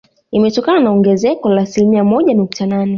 Imetokana na ongezeko la asilimia moja nukta nane